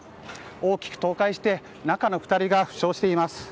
大きく倒壊して中の２人が負傷しています。